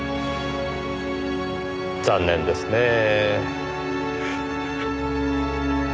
残念ですねぇ。